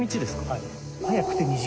はい。